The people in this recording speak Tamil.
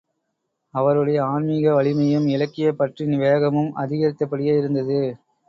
அவருடைய ஆன்மிக வலிமையும், இலக்கியப் பற்றின் வேகமும் அதிகரித்த படியே இருந்தது.